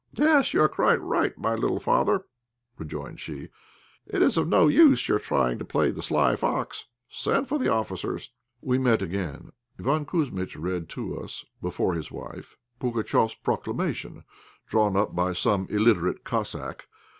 "Yes, you are quite right, my little father," rejoined she; "it is of no use your trying to play the sly fox. Send for the officers." We again met. Iván Kouzmitch read to us, before his wife, Pugatchéf's proclamation, drawn up by some illiterate Cossack.